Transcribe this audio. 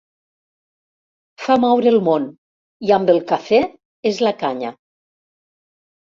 Fa moure el món, i amb el cafè és la canya.